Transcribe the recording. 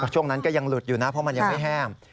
ช่วงนั้นก็ยังหลุดอยู่นะเพราะมันยังไม่แห้ง